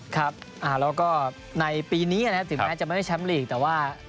ครับแล้วก็ในปีนี้ถึงแม้จะไม่มีแชมป์ลีกแต่ว่า